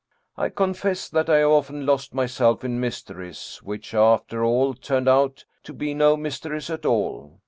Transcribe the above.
I confess that I have often lost myself in mysteries which after all turned out to be no mysteries at all.